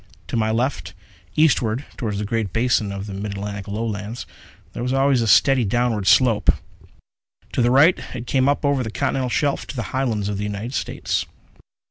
To my left, eastward toward the great basin of the mid Atlantic Lowlands, there was always a steady downward slope. To the right, it came up over the continental shelf to the Highlands of the United States.